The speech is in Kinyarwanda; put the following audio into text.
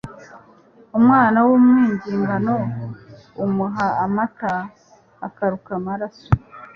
umwana w'umwingingano umuha amata akaruka amaraso